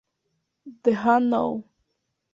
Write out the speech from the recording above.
Then and Now!